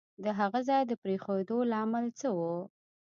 د هغه ځای د پرېښودو لامل څه وو؟